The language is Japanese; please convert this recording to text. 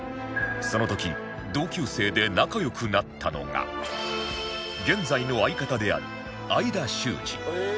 その時同級生で仲良くなったのが現在の相方である相田周二